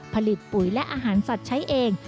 ปุ๋ยและอาหารสัตว์ใช้เอง